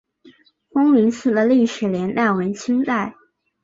丰宁寺的历史年代为清代。